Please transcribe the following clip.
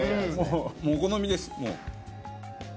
お好みですもう。